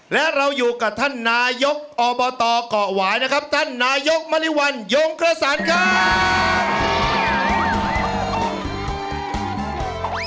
และเราอยู่กับท่านนายกอบตเกาะหวายนะครับท่านนายกมริวัลยงกระสันครับ